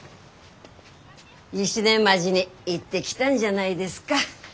石音町に行ってきたんじゃないですか？